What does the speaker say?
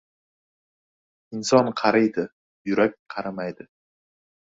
• Inson qariydi, yurak qarimaydi.